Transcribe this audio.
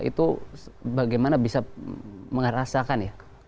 itu bagaimana bisa merasakan ya